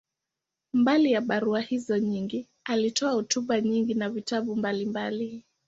Mbali ya barua hizo nyingi, alitoa hotuba nyingi na vitabu mbalimbali.